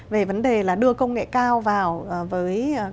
về vấn đề là đưa công nghệ cao vào với các doanh nghiệp